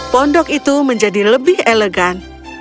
pondok itu menjadi lebih elegan